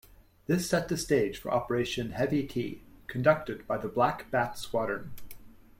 This set the stage for Operation Heavy Tea, conducted by the Black Bat Squadron.